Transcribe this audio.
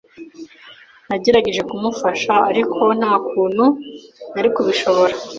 Nagerageje kumufasha, ariko nta kuntu nari kubishobora.